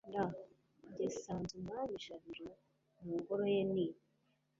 r/ jye nsanze umwami i jabiro, mu ngoro ye ni